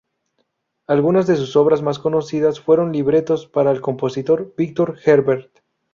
Algunas de sus obras más conocidas fueron libretos para el compositor Victor Herbert.